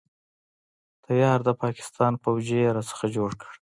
تيار د پاکستان فوجي يې را څخه جوړ کړ.